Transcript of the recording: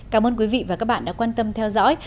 cảm ơn quý vị và các bạn đã quan tâm theo dõi